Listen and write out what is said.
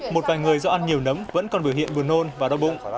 một vài người do ăn nhiều nấm vẫn còn biểu hiện buồn nôn và đau bụng